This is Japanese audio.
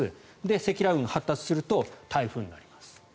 積乱雲が発達すると台風になります。